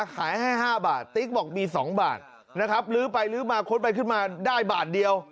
ขายให้๕บาทติ๊กบอกมี๒บาทนะครับลื้อไปลื้อมาค้นไปขึ้นมาได้บาทเดียว